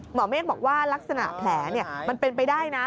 เมฆบอกว่าลักษณะแผลมันเป็นไปได้นะ